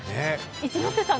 一ノ瀬さん